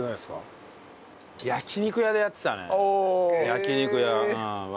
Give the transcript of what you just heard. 焼肉屋は。